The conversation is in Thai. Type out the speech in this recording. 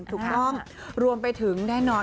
ถูกต้องรวมไปถึงแน่นอน